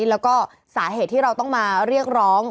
แล้วก็สาเหตุที่เราต้องมาเรียกร้อง